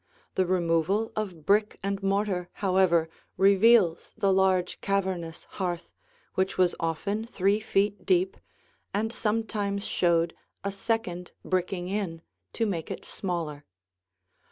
The removal of brick and mortar, however, reveals the large, cavernous hearth which was often three feet deep and sometimes showed a second bricking in, to make it smaller.